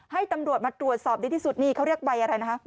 ให้ตำรวจมาตรวจสอบดีที่สุดนี่เขาเรียกใบอะไรนะคะ